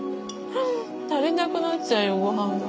足りなくなっちゃうよご飯が。